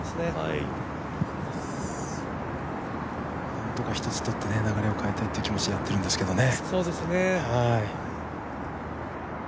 なんとか１つとって、流れを変えたいっていう気持ちでやってるんですけどね。